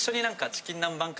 チキン南蛮界。